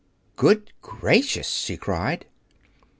"Good gracious!" she cried.